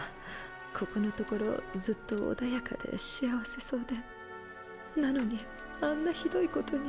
ここのところずっと穏やかで幸せそうでなのにあんなひどいことに。